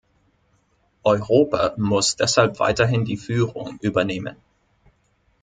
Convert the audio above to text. Europa muss deshalb weiterhin die Führung übernehmen.